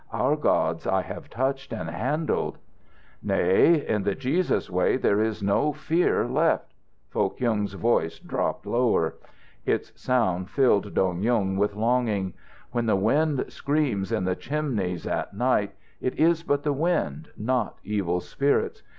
"Our gods I have touched and handled." "Nay, in the Jesus way there is no fear left." Foh Kyung's voice dropped lower. Its sound filled Dong Yung with longing. "When the wind screams in the chimneys at night, it is but the wind, not evil spirits.